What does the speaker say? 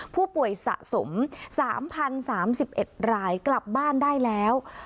ผู้ป่วยสะสม๓๐๓๑รายกลับบ้านได้แล้ว